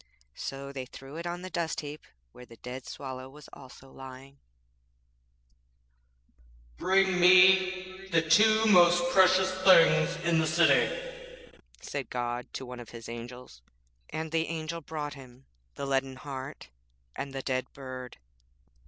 So they threw it on a dust heap where the dead Swallow was also lying. 'Bring me the two most precious things in the city,' said God to one of His Angels; and the Angel brought Him the leaden heart and the dead bird.